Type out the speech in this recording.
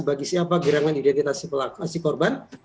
bagi siapa gerakan identitasi korban